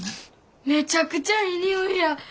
めちゃくちゃええ匂いやん。